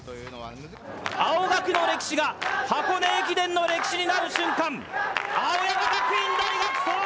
青学の歴史が箱根駅伝の歴史になる瞬間。